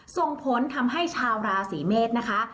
ส่งผลทำให้ชาวราศีเมษนะคะ